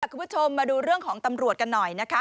คุณผู้ชมมาดูเรื่องของตำรวจกันหน่อยนะคะ